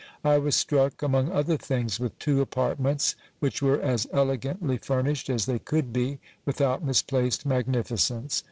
I was struck, among other things, with two apartments, which were as elegantly furnished as they could be, without mis placed magnificence.